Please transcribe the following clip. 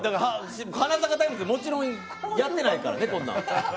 「花咲かタイムズ」でもちろんやってないからね、こんなん。